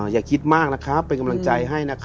อย่าคิดมากเป็นกำลังใจให้